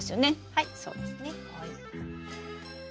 はいそうですね。